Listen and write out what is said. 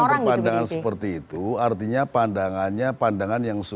nah ini yang berpandangan seperti itu artinya pandangannya pandangan yang susun